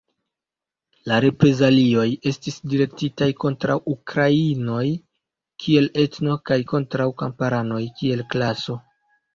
La reprezalioj estis direktitaj kontraŭ ukrainoj kiel etno kaj kontraŭ kamparanoj kiel klaso.